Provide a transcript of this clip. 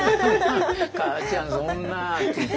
「母ちゃんそんな」って。